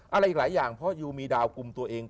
อะไรอีกหลายอย่างเพราะยูมีดาวกลุ่มตัวเอง